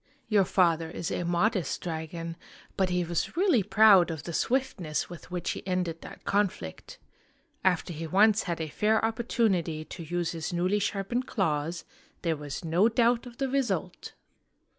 Your father is a modest dragon, but he was really proud of the swiftness with which he ended that conflict. After he once had a fair opportunity to use his newly sharpened claws, there was no doubt of the result !